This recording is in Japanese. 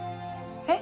えっ？